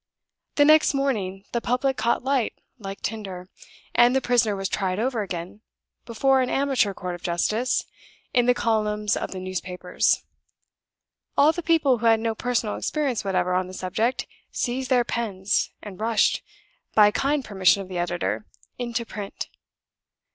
The next morning the public caught light like tinder; and the prisoner was tried over again, before an amateur court of justice, in the columns of the newspapers. All the people who had no personal experience whatever on the subject seized their pens, and rushed (by kind permission of the editor) into print.